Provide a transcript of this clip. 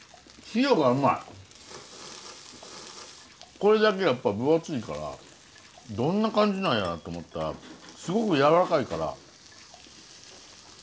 これだけやっぱ分厚いからどんな感じなんやって思ったらすごくやわらかいから。